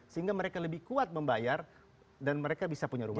sehingga mereka lebih kuat membayar dan mereka bisa punya rumah